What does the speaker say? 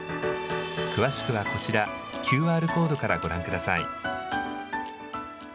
詳しくはこちら、ＱＲコードからご覧ください。